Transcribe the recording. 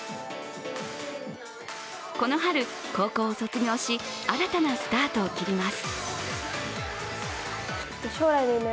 この春、高校を卒業し新たなスタートを切ります。